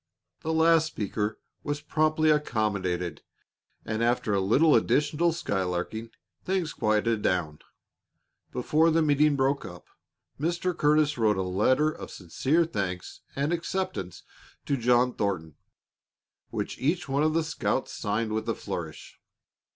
The last speaker was promptly accommodated, and after a little additional skylarking, things quieted down. Before the meeting broke up, Mr. Curtis wrote a letter of sincere thanks and acceptance to John Thornton, which each one of the scouts signed with a flourish.